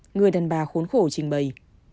người đàn bà khốn khổ trình bày